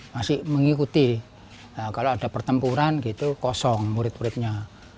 masih mengikuti kalau ada pertempuran gitu kosong murid muridnya